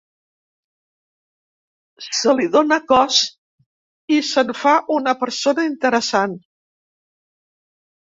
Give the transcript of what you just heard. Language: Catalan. Se li dona cos i se'n fa una persona interessant.